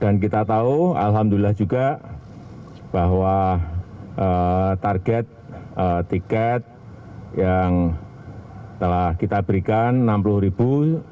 dan kita tahu alhamdulillah juga bahwa target tiket yang telah kita berikan enam puluh ribu